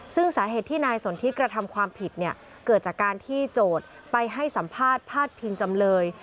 ซึ่งสาเหตุที่นายสนทิกระทำความผิดเนี่ยเกิดจากการที่โจทย์ไปให้สัมภาษณ์พาดพิงจำเลย